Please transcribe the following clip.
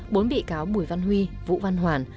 bốn bị cáo bùi văn huy vũ văn hoàn